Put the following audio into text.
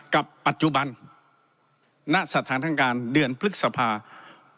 กับปัจจุบันณสถานทางการเดือนพฤษภา